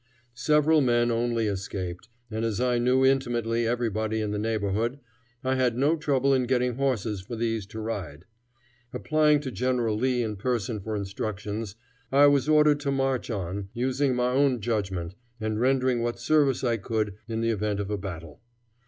Seven men only escaped, and as I knew intimately everybody in the neighborhood, I had no trouble in getting horses for these to ride. Applying to General Lee in person for instructions, I was ordered to march on, using my own judgment, and rendering what service I could in the event of a battle.